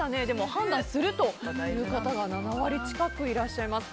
判断するという方が７割近くいらっしゃいます。